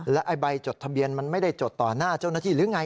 และใบจดทะเบียนมันไม่ได้จดต่อหน้าเจ้าหน้าที่หรือไง